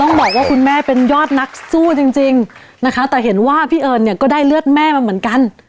บอกว่าคุณแม่เป็นยอดนักสู้จริงนะคะแต่เห็นว่าพี่เอิญเนี่ยก็ได้เลือดแม่มาเหมือนกัน